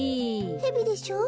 ヘビでしょ？